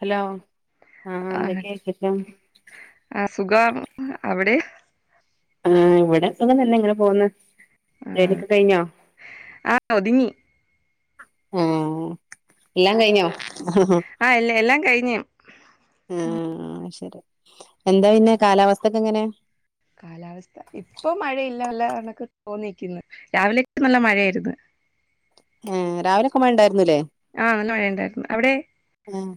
Hello ആഹ് എന്തൊക്കെയാ വിശേഷം? ആഹ് സുഖാണ്. അവിടെ? ആഹ് ഇവിടെ സുഖം തന്നെ ഇങ്ങനെ പോവുന്ന്. ആഹ് ജോലിയൊക്കെ കഴിഞ്ഞോ? ആഹ് ഒതുങ്ങി ആഹ് എല്ലാം കഴിഞ്ഞോ? ആ എല്ല എല്ലാം കഴിഞ്ഞു. ഉം ആ ശരി. എന്താ പിന്നെ കാലാവസ്ഥക്കെ എങ്ങനെ. കാലാവസ്ഥ ഇപ്പൊ മഴയില്ല നല്ല കണക്ക് തോന്നിക്കുന്നു രാവിലക്ക നല്ല മഴ ആയിരുന്നു. ഏഹ് രാവിലെക്കെ മഴ ഇണ്ടായിരുന്നു ല്ലേ? ആഹ് നല്ല മഴയുണ്ടായിരുന്നു അവിടെ ആഹ്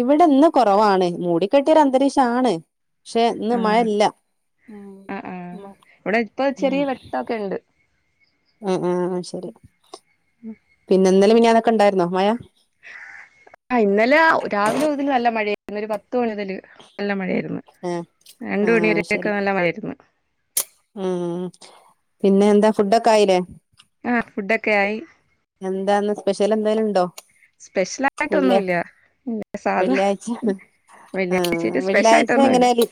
ഇവിടെ ഇന്ന് കൊറവാണ് മൂടിക്കെട്ടിയ ഒരു അരന്തരീക്ഷാണ്. പക്ഷെ ഇന്ന് മഴ ആഹ് ഇല്ല ഉം. ഒക്കെ ഇണ്ട്. അഹ് ആഹ് ശെരി പിന്നെ ഇന്നലേം മിനിഞാന്ന് ഒക്കെ ഇണ്ടായിരുന്നോ മയ? ആഹ് ഇന്നലെ രാവിലെ മുതല് നല്ല മഴ ആയിരുന്നു ഒരു പത്ത് മണി മുതല് നല്ല മഴ ആയിരുന്നു. ആഹ് രണ്ടു മണി ആഹ് വരെ ശരി ഒക്കെക്ക നല്ല മഴായിരുന്നു. ഉം പിന്നെ എന്താ ഫുഡൊക്കെ ആയിലേ? ആഹ് ഫുഡൊക്കെ ആയി. എന്താന്ന് സ്പെഷ്യല് എന്തേലുണ്ടോ? സ്പെഷ്യലായിട്ട് ഒന്നും ഇല്ല സാധാ വെള്ളിയാഴ്ച ആഹ് വെള്ളിയാഴ്ചായിട്ട് വെള്ളിയാഴ്ച സ്പെഷ്യലായിട്ടൊന്നുല്ല എങ്ങനെ ലീ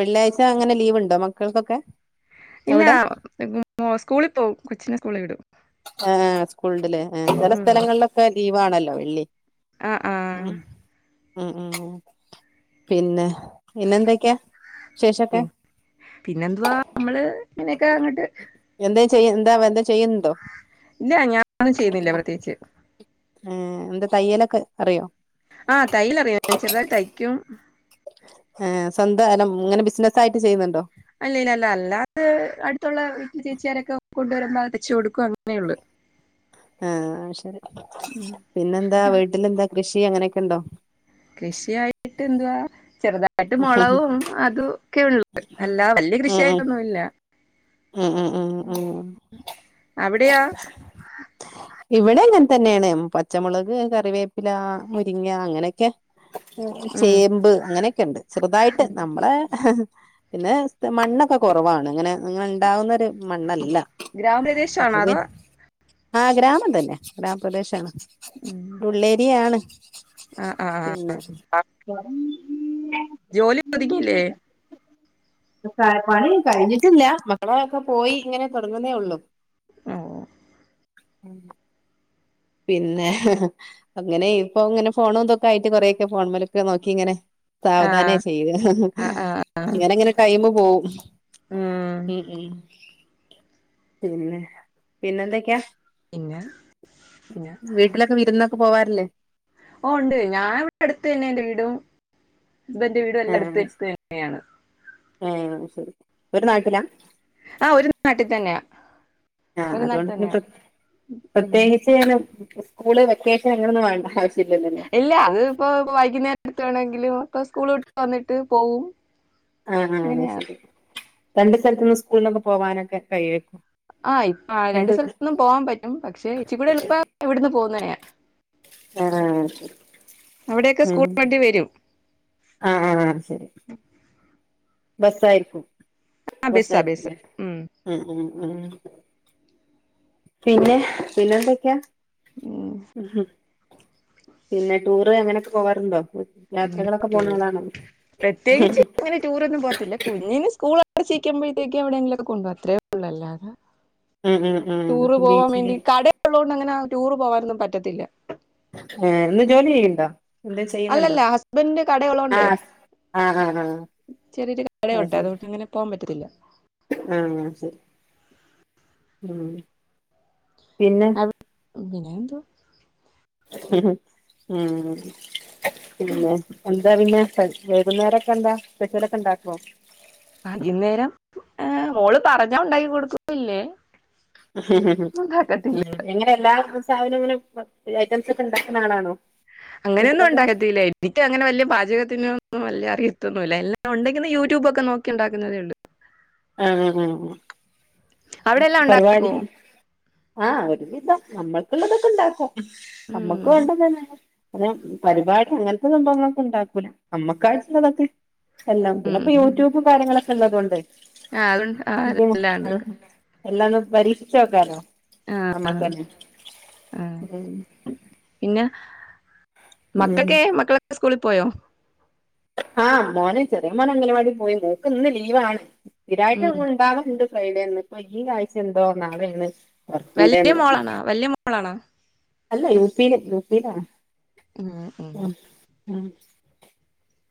വെള്ളിയാഴ്ച എങ്ങനെ ലീവ്ണ്ടോ മക്കൾക്ക്‌ ഒക്കെ? ഇല്ല ഇപോ മോ സ്കൂളി പോവും കൊച്ചിനെ സ്കൂളി വിടും. ആഹ് സ്കൂള് ഇണ്ട് ലെ ചെല ഉം സ്ഥലങ്ങളിലൊക്കെ ലീവാണല്ലോ വെള്ളി. ആഹ് ആഹ്. ഉം ഉം ഉം ഉം. പിന്നെ പിന്നെ എന്തൊക്കെയ പി വിശേഷൊക്കെ? പിന്നെന്തുവാ നമ്മള് ഇങ്ങനൊക്കെ അങ്ങട്ട് എന്തേം ചെയ്യ എന്താ എന്തെം ചെയ്യണിണ്ടോ? ഇല്ല ഞാനൊന്നും ചെയ്യുന്നില്ല പ്രത്യേകിച്ച്. ഏഹ് എന്ത തയ്യലൊക്കെ അറിയോ? ആഹ് തയ്യലറിയ ചെറുതായി തയ്ക്ക്യും. ഏഹ് സ്വന്തം അല്ല ഇങ്ങനെ ബിസിനസ്സ് ആയിട്ട് ചെയ്യ്ന്നിണ്ടോ? അല്ല ഇല്ല അല്ല അല്ലാതെ അടുത്തുള്ള വീട്ടിൽ ചേച്ചിയാരൊക്കെ കൊണ്ടുവരുമ്പോ അടിച്ച് കൊടുക്കും അങ്ങനെയുള്ളു. ആഹ് അഹ് ശെരി ഉം പിന്നെന്താ ആ, വീട്ടിലെന്താ കൃഷി അങ്ങനെക്കെണ്ടോ? കൃഷിയായിട്ട് എന്തുവാ ചെറുതായിട്ട് മൊളകും അതു ക്കെയുള്ളത് ഉം അല്ലാ വല്യ ഉം കൃഷിയായിട്ടൊന്നുല്ല. ഉം ഉം. ഉം അവിടെയാ? ഇവിടെ ഇങ്ങൻ തന്നെ ആണ് പച്ചമുളക്, കറിവേപ്പില, മുരിങ്ങ അങ്ങനെക്കെ ഉം ചേമ്പ് അങ്ങനോക്കെ ഇണ്ട് ചെറുതായിട്ട് നമ്മളെ പിന്നെ സ് ത്ത മണ്ണൊക്കെ കൊറവാണ് ഇങ്ങനെ അങ്ങനെ ഇണ്ടാവുന്നൊരു മണ്ണല്ല അപ്പൊ ഗ്രാമപ്രദേശാണോ പി അതോ ആഹ് ഗ്രാമം തന്നെ ഗ്രാമപ്രദേശാണ് ഉം ഉള്ളേരിയാണ്. ആഹ് ആഹ് ആഹ് പിന്നെ [inaudible] ജോലി തുടങ്ങീല്ലേ? പണി കഴിഞ്ഞിട്ടില്ല മകളൊക്കെ പോയി ഇങ്ങനെ തൊടങ്ങുന്നേ ഉള്ളു. ഓഹ് ഓഹ് [unintelligible] പിന്നെ അങ്ങനെ ഇപ്പൊങ്ങനെ ഫോണും ഇതൊക്കായിട്ട് കൊറെക്കെ ഫോൺ മലൊക്കെ നോക്കിങ്ങനെ- സാവധാനേ ആഹ് ചെയ്ക ആഹ് ആഹ് ഇങ്ങനങ്ങനെ- ടൈമ് പോവും ഉം ഉം പിന്നെ പിന്നെന്തോക്കെയാ പിന്നെ പിന്നെ വീട്ടിലൊക്കെ വിരുന്നൊക്കെ പോവാറില്ലേ? ഓഹ് ഉണ്ട് ഞാവിടെ അടുത്തെന്നെന്റെ വീടും ഹസ്ബൻന്റെ വീടും എല്ലാം ആഹ് അടുത്തെടുത്തന്നെയാണ്. ഏഹ് ശരി ഒരു നാട്ടിലാ ആഹ് ഒരു നാട്ടി തന്നെയാ ആഹ് ഒരു നാട്ടിൽ അതുകൊണ്ട് പിന്നെ തന്നെയാ പ്ര ഉം. പ്രത്യേകി ച്ചേനും സ്കൂള് വെക്കേഷന് അങ്ങനൊന്നും വേണ്ട ആവശ്യല്ലല്ലോ ഇല്ല അത്പ്പോ വൈകുന്നേരത്തേണെങ്കിലും ഇപ്പൊ സ്കൂള് വിട്ട് വന്നിട്ട് പോവും ആഹ് അത് അങ്ങനെയാ ശരി രണ്ട് സ്ഥലത്ത്ന്ന് സ്കൂളിനൊക്കെ പോവാനൊക്കെ കഴിയുവായിരിക്കും ആഹ് ഇപ്പ രണ്ടു സ്ഥലത്തൊന്നും പോവാൻ പറ്റും പക്ഷെ ഇച്ചി കൂടി എളുപ്പം എവിടുന്ന് പോകുന്നയാ ആഹ് ശരി അവിടെയൊക്കെ ഉം സ്കൂൾ വണ്ടി വരും ആഹ് ആഹ് ശരി ബസ്സ് ആയിരിക്കും ആ ബസ്സ് ബസ്സാ ബസ് ആയിരിക്കുംല്ലേ ഉം ഉം ഉം പിന്നെ പിന്നെന്തൊക്കെയാ ഉം ഉം പിന്നെ ടൂറ് അങ്ങനെയൊക്കെ പോവാറുണ്ടോ അങ്ങനെ യാത്രകളൊക്കെ ടൂർ പോണ ആള് ആണോ ടൂർ ഒന്നും പോത്തില്ല കുഞ്ഞിന് സ്കൂൾ അടച്ചു നിക്കുമ്പോഴേക്കും എവിടെ എങ്കിലും ഒക്കെ കൊണ്ട്പോകും അത്രേ ഉള്ളൂ അല്ലാതെ - ഉം ഉം ഉം അപ്പം ബീച്ചിലെ- ഉള്ളതുകൊണ്ട് അങ്ങനെ ടൂർ പോവാനൊന്നും പറ്റത്തില്ല ഏ ഇന്ന് ജോലി ചെയ്യ്യുണ്ടോ എന്തേ ചെയ്യുന്നുണ്ടോ അല്ലല്ല ഹസ്ബൻഡിന്റെ കടയുള്ളോണ്ടേ ആഹ് ആഹ് ആഹ് ചെറിയൊരു അത് കടയുണ്ട് ശരി അതുകൊണ്ട് അങ്ങനെ പോകാൻ പറ്റത്തില്ല ആഹ് ശരി ഉം പിന്നെ- ഉം പിന്നെ എന്തുവാ ഉം ഹം ഉം [unintelligible] പിന്നെ എന്താ പിന്നെ വൈകുന്നേരം ഒക്കെ എന്താ സ്പെഷ്യലൊക്കെ ഇണ്ടാക്കോ വൈകുന്നേരം മോള് പറഞ്ഞ ഒണ്ടാക്കി കൊടുക്കും ഇല്ലേ ഉം ഉം എങ്ങനെ എല്ലാ [unintelligible] സാധനം അങ്ങനെ ഐറ്റംസ് ഒക്കെണ്ടാക്കണ ആളാണോ അങ്ങനെ ഒന്നും വീട്ടിലൊക്കെ ഉണ്ടാക്കത്തില്ലേ എനിക്ക് അങ്ങനെ വലിയ പാചകത്തിനൊന്നും വലിയ അറിയത്തൊന്നും ഇല്ലാം ഉണ്ടെങ്കിൽ യൂട്യൂബ് ഒക്കെ നോക്കി ഉണ്ടാക്കുന്നതെയുള്ളു ആഹ് ആഹ് ആഹ് എന്താ അവിടെ എല്ലാം പരിപാടി ഉണ്ടാക്കുവോ ആഹ് ഒരു വിധം നമ്മൾക്കുള്ളതൊക്കെണ്ടാക്കും നമ്മക്ക് ഉം വെണ്ടതന്നെ അങ്ങനെ പരിപാടി അങ്ങനത്തെ സംഭവങ്ങളൊക്കെ ഇണ്ടാക്കൂല നമ്മക്കായി ചിലതൊക്കെ എല്ലാം പിന്നെ ഉം ഇപ്പൊ ഉം യൂട്യൂബ് കാര്യങ്ങളൊക്കെയുള്ളതു കൊണ്ടേ ആ അതുണ്ട് ആ എല്ലാം ഉണ്ടാക്കും എല്ലാം ഒന്ന് പരീക്ഷിച്ച് നോക്കാലോ ആഹ് ആഹ് നമ്മക്കന്നെ ആഹ് ഉം പിന്നെ - ഉം മക്കക്കെ മക്കളൊക്കെ സ്കൂളിൽ പോയോ ആഹ് മോനെ ചെറിയ മോന് അംഗനവാടി പോയി ഇല്ലേ ഇപ്പൊ ഇന്ന് ലീവാണ് സ്ഥിരായിട്ട് ഉം ഇവിടെ ഉണ്ടാവാറുണ്ട് ഫ്രൈഡേന്ന് ഇപ്പൊ ഈ ആഴ്ച ഇണ്ടോ നാളെന്ന് വെല്ല്യ മോളാണോ വെല്ല്യ മോളാണോ അല്ല യുപിയില് യുപിയിലാണ് ഉം ഉം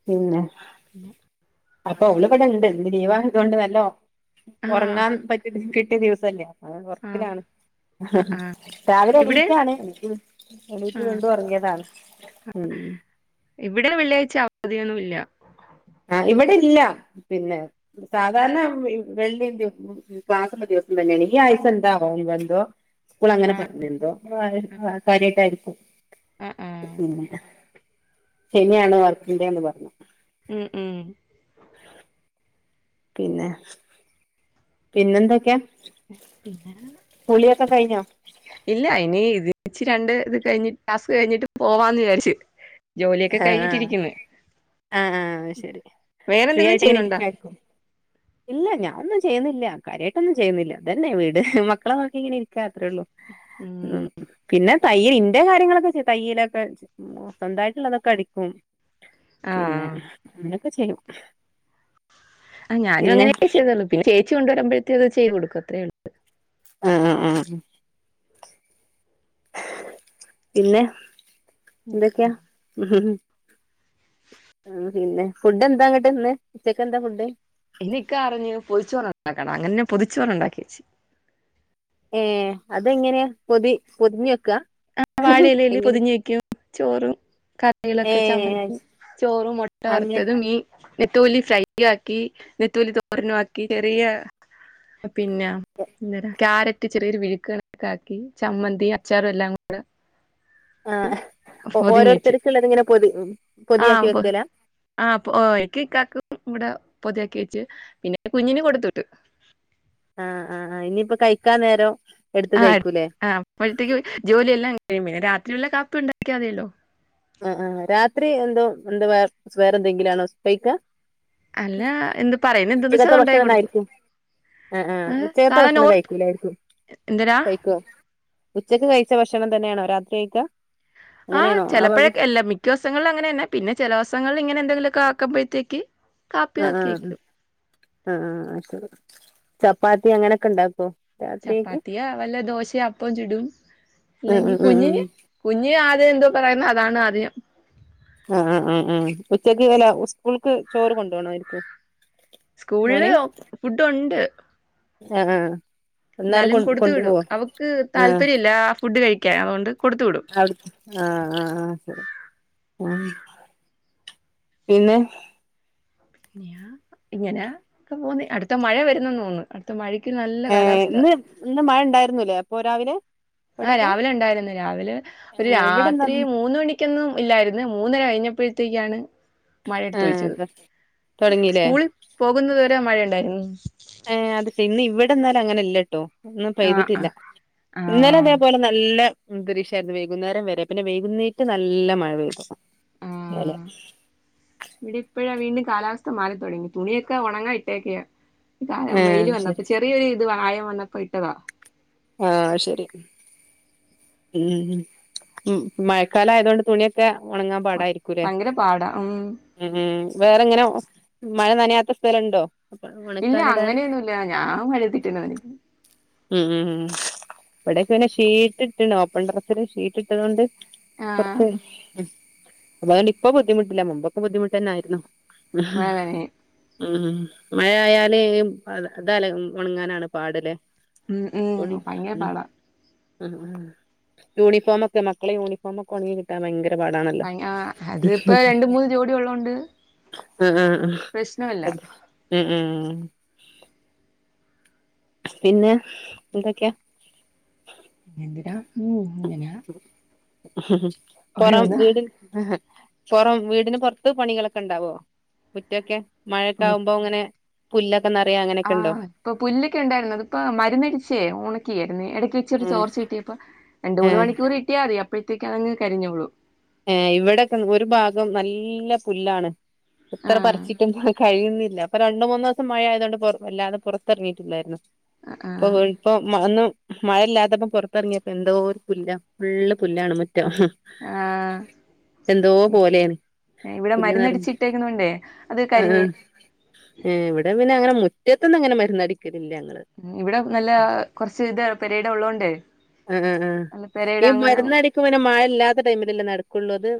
പിന്നെ പിന്നെ അപ്പൊ അവള് ഇവടുണ്ട് ഇന്ന് ലീവായതോണ്ട് നല്ലോ ആഹ് ഉറങ്ങാൻ പറ്റിയ കിട്ടിയ ദിവസല്ലേ അവള് ആഹ് ഒറക്കില്ലാണ് അ രാവിലെ ഇവിടെ എണീറ്റതാണ് എന്നിട്ട് ആഹ് വീണ്ടും ഒറങ്ങിയതാണ് ഉം ഇവിടെ വെള്ളിയാഴ്ച അവധിയൊന്നൂല്ല ആഹ് ഇവിടെ ഇല്ല പിന്നെ സാധാരണ വെള്ളി ക്ലാസ്സൊ‌ള്ള ദിവസം തന്നെയാണ് ഈ ആഴ്ച എന്താവോ എന്തോ സ്കൂൾ അങ്ങനെ പറഞ്ഞെന്തോ കാര്യായിട്ടായിയിരിക്കും ആഹ് ആഹ് [unintelligible] ശെനിയാണ് വർക്കിംഗ് ഡേ എന്ന് പറഞ്ഞു ഉം ഉം [unintelligible] പിന്നെ പിന്നെന്തൊക്കെയാ പിന്നെ കുളിയൊക്കെ കൈയിഞ്ഞോ ഇല്ല ഇനി ഇതിച്ച് രണ്ട് ഇത് കഴിഞ്ഞിട്ട് ടാസ്ക് കഴിഞ്ഞിട്ട് പോവാന്ന് വിചാരിച്ചു ജോലിയൊക്കെ ആ കഴിഞ്ഞിട്ടിരിക്കുന്നു ആ ആ ശരി വേറെ ഫ്രീ എന്തെങ്കിലും ആയിട്ട് ഇങ്ങനെ ചെയ്യുന്നുണ്ടോ ഇരിക്കായിരിക്കും ഇല്ല ഞാനൊന്നും ചെയ്യുന്നില്ല കാര്യായിട്ടൊന്നും ചെയ്യുന്നില്ല ഇതന്നേ വീട് മക്കളെനോക്കി ഇങ്ങനെ ഇരി ക്കുക അത്രേയുള്ളൂ ഉം പിന്നെ തയ്യലിന്റെ കാര്യങ്ങളൊക്കെ ചെയ്യും തയ്യലൊക്കെ സ്വന്തായിട്ടുള്ളതൊക്കെ അടിക്കും പിന്നെ ആഹ് അങ്ങനൊക്കെചെയ്യും ആഹ് ഞാനും അങ്ങനൊക്ക ചെയ്തോളൂ പിന്നെ ചേച്ചികൊണ്ട് വരുമ്പഴത്തേനത് ചെയ്ത്കൊടുക്കും അത്രേയുള്ളൂ ആഹ് ആഹ് ആഹ് പിന്നെ എന്തൊക്കെയാ ആഹ് പിന്നെ ഫുഡന്താങ്ങട്ടിന്ന് ഉച്ചക്ക് എന്താഫുഡ് ഇന്ന് ഇക്കാ പറഞ്ഞ് പൊതിച്ചോറുണ്ടാക്കണം അങ്ങനെ ഞാൻ പൊതുച്ചോറുണ്ടാക്കിവെച്ച് ഏഹ് അതെങ്ങനെയാ പൊതി പൊതിഞ്ഞ് വെക്കാ ആഹ് വാഴയിലേല് എങ്ങനെ പൊതിഞ്ഞ് വെക്കും ചോറും ക ഏ ളൊക്കെ ചമ്മന്തി ചോറും അങ്ങെ മൊട്ടവറത്തതും മീ നെത്തോലി ഫ്രൈയാക്കി നെത്തോലി തോരനുംആക്കി ചെറിയ പിന്നെ ഇന്നതാ ക്യാരറ്റ് ചെറിയൊരു മെഴുക്കൊക്കെ ആക്കി ചമ്മന്തി അച്ചാറുഎല്ലാം കൂ [unintelligible] ആഹ് ഓ ഓരോരുത്തര്ക്കുള്ളതിങ്ങനെ പൊതി പൊതിയാക്കിവെക്കുവേല ഇഹ് പൊ എനിക്കും ഇക്കാക്കും ഇവടെ പൊതിയാക്കിവെച്ച് പിന്നെ കുഞ്ഞിന് കൊടുത്ത് വിട്ട് ആഹ് ആഹ് ആഹ് ഇനിയിപ്പം കഴിക്കാൻനേരം ആഹ് എട് ആഹ് അപ്പോഴ്‌ത്തേക്കും ജോലിയെല്ലാം കഴിയും പിന്നെരാത്രിയുള്ള കാപ്പി ഉണ്ടാക്കിയാമതിയല്ലോ ആഹ് ആഹ് രാത്രി എന്തോ എന്തുവാ വേറെ എന്തെങ്കിലാണോ കയ്ക്കാ അല്ല എന്ത് പറയുന്ന എന്തെന്ന് വെച്ചാ ഉച്ചക്കത്തെ അത് ഉണ്ടാക്കി ഭക്ഷണന്നെ കൊടുക്കും ആയിരിക്കും ആഹ് ആഹ് ഏഹ് ഉച്ചക്കത്തെ സാധാരണ ഭക്ഷണം ഓർ കഴിക്കൂലായിരിക്കും എന്തരാ കഴിക്കോ ഉച്ചക്ക്കഴിച്ച ഭക്ഷണം തന്നെയാണോ രാത്രികഴിക്കാ അങ്ങനെയാണോ ആഹ് ബാഗ് എല്ലാ മിക്കദിവസങ്ങളിലും അങ്ങനന്നേ പിന്നെ ചെലോസങ്ങളിൽ ഇങ്ങനെ എന്തെങ്കിലൊക്കെ ആക്കുമ്പോഴ്‌ത്തേക്ക് ആഹ് ആഹ് ആ ചപ്പാത്തി അങ്ങനെയൊക്കെ ഉണ്ടാക്കോ രാത്രിയക്ക് ചപ്പാത്തിയോ വല്ല ദോശേ അപ്പവും ചുടും ഉം ഉം അല്ലെങ്കി ഉം കുഞ്ഞിന് ഉം കുഞ്ഞിന് ആദ്യം എന്തോ പറയുന്നു അതാണ് ആദ്യം ആ ആ ആ ആ ഉച്ചക്ക് വെല്ല ഉസ്കൂൾക്ക് ചോറ് കൊണ്ടോവണായിര്ക്കും സ്കൂൾള് ഫുഡ് ഉണ്ട് ആഹ് ന്നാലും കൊടുത്തുവിടും അവക്ക് ആ താല്പര്യയില്ലാ ആ ഫുഡ് കഴിക്കാൻ അതുകൊണ്ട് കൊടുത്ത് വിടും അവ്ട് ആ ആ ആ ശരി ആ പിന്നെ ഞ്യാ ഇങ്ങനാ ക്കെ പോന്ന് അട്ത്ത മഴ വരുന്നന്ന് തോന്ന് ത്ത മഴയ്ക്ക് നല്ല ഏ കാലാവസ്ഥ ഇന്ന് ഇന്ന് മഴ ഇണ്ടായിരുന്നു ലേ അപ്പോ രാവിലെ ആ അവിടൊക്കെ രാവിലെ ഇണ്ടായിരുന്നു രാവിലെ ഒരു ആ ഇവിടെന്താ രാത്രി മൂന്ന്മണി ക്ക്യന്നും ഇല്ലായിര്ന്ന് മൂന്ന് കഴിഞ്ഞപ്പഴത്തേക്കാണ് മഴ ആ ട്ത്ത് വെച്ചത് തുടങ്ങില്ലേ സ്കൂൾ പോകുന്നത് വരെ ആ മഴയുണ്ടായിരുന്നു ഏ അത് ശെ ഇന്ന് ഇവടെന്നാലഅങ്ങനെ ല്ല്യട്ടോ ഇന്ന് ആഹ് പെയ്തിട്ടില്ല ഇന്നലെ ആഹ് തേപോലെ നല്ല അന്തരീക്ഷായിരുന്നു വൈകുന്നേരംവരെ പിന്നെ വൈകുന്നേറ്റ് നല്ല മഴപെയ്തു ഇന്നലെ ഇവിടിപ്പഴാ വീണ്ടും കാലാവസ്ഥ മാറിത്തൊടങ്ങി തുണിയൊക്കെ ഒണങ്ങാ ഇട്ടേക്കയാ [unintelligible] ആഹ് വെയില് ശരി വന്നപ്പം ചെറിയൊരു ഇത് വായം വന്നപ്പോ ഇട്ടതാ ആ ശരി ഉം ഉം മഴക്കാലായതോണ്ട് തുണിക് ക്കെ ഒണങ്ങാം പാടായിരിക്കു ലേ ഭയങ്കര പാടാ ഉം ഉം ഉം വേറെങ്ങനെ മഴ നനയാത്ത സ്ഥലണ്ടോ അപ്പൊ ഇല്ല ഉണക്കാനിടാൻ അങ്ങനെയൊന്നുംല്ല ഞാമഴയത്തിട്ടന്നേ നനക്കുന്നേ ഉം ഉം ഉം ഇവടൊക്ക പിന്നെ ഷീറ്റ് ഇട്ട്ണ്‌ ഓപ്പൺടെറസില് ഷീറ്റ് ഇട്ടത്കൊണ്ട് ആഹ് കൊർച്ച് ഉം അതോണ്ട് ഇപ്പൊ ബുദ്ധിമുട്ടില്ല മുമ്പക്കെ ബുദ്ധിമുട്ടന്നെ ആയിരുന്നു മഴ [unintelligible] നനയും ഉം മഴ ആയാല് അതല്ല ഉണങ്ങാനാണ് പാട് ലേ ഉം ഉം തുണി ഭയങ്കര ഉം പാടാ ആ യൂണിഫോമൊക്കെ മക്കളെ യൂണിഫോമ് ഒക്കെ ഒൺങ്ങിക് കിട്ടാൻ ഭയങ്കര പാടാണല്ലോ അത് ഇപ്പ രണ്ട് മൂന്ന് ജോടി ഉള്ളോണ്ട് ആ ആ പ്രശ്നമില്ല അതെ ഉം ഉം ഉം പിന്നെ എന്തൊക്കെയാ എന്തിരാ ഉം ഇങ്ങനെയാ പൊറം വീട് പൊറം വീട്ന് പൊർത്ത് പണികളൊക്കെണ്ടാവോ മുറ്റൊക്കെ മഴണ്ടാകുമ്പോ ഇങ്ങനെ പുല്ലൊക്കെ നറയ അങ്ങനെയൊക്കെ ഉണ്ടോ ആഹ് ഇപ്പൊ പുല്ലൊക്കെ ഉണ്ടായിരുന്നു അത് ഇപ്പൊ മരുന്നടിച്ചേ ഉണക്കിയിരുന്നു എടയ്ക്ക് വെച്ചൊരു ഉം ചോർച്ച കിട്ടിയ പ്പൊ രണ്ട് മൂന്ന് ഏഹ് മണിക്കൂറ് കിട്ടിയാ മതി അപ്പോഴത്തേക്ക്‌ അതാങ്ങ് കരിഞ്ഞോളും ഏ ഇവിടൊക്കെ ഒരു ഭാഗം നല്ല പുല്ലാണ് എത്ര ആഹ് പർച്ചിട്ടും കഴിയുന്നില്ല അപ്പൊ രണ്ട്മൂന്നു ദിവസം മഴ ആയതുകൊണ്ട് വല്ലാതെ പുറത്തിറങ്ങിയിട്ടില്ലായിരുന്നു അപ്പൊ ആഹ് ഇപ്പൊ ഒന്നും മഴയില്ലാത്തപ്പ പുറത്തിറങ്ങിയപ്പ എന്തോ ഒരു പുല് ഫുള്ള് പുല്ലാണ് മുറ്റം ആഹ് എന്തോ പോലെയാണ് ഇവ്ടെ പുല്ല് മരന്ന് അടിച്ച് നിറഞ്ഞ് ഇട്ടേക്കുന്ന കൊണ്ടേ അത് കരിഞ്ഞ് ഏ ഇവ്ടെ പിന്നെ അങ്ങനെ മുറ്റത്തൊന്നും അങ്ങനെ മരുന്നടിക്കലില്ല ഞങ്ങള് ഇവ്ടെ നല്ല കൊർച്ച് ഇത് പെരീടം ഉള്ളതൊണ്ടയ് ആ ആ ആ ഈ മരുന്നടിക്കുംമ്പൊ പിന്നെ മഴ ഇല്ലാത്ത ടൈമിലല്ലേ നടക്കൊള്ളൂ അത്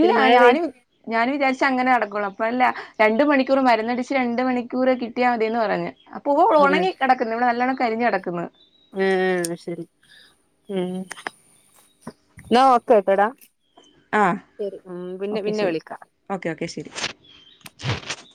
പിന്നെ മഴ പെയ് ഞാന് ഞാനും വിചാരിച്ച് അങ്ങനെ നടക്കുള്ളൂ അപ്പഴല്ലാ രണ്ടു മണിക്കൂർ മരുന്നടിച്ച് രണ്ട് മണിക്കൂറ് കിട്ടിയാ മതിയെന്ന് പറഞ്ഞ് പൂവ്കള് ആഹ് ഒണങ്ങി കെടക്കുന്ന് ഇവിടെ നല്ലോണ്ണം കരിഞ്ഞ് കെടക്ക്ന്ന് ഏഹ് അയ് ശെരി ഏഹ് ഓക്കേട്ടോടാ ആഹ് ഓക്കെ ശെരി വിളിക്കാം ഓക്കെ ഓക്കെ ശെരി